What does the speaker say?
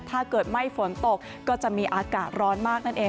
ถ้าเกิดไม่ฝนตกก็จะมีอากาศร้อนมากนั่นเอง